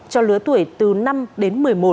cho lứa tuổi từ năm đến một mươi một